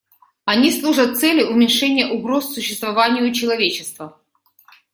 Они служат цели уменьшения угроз существованию человечества.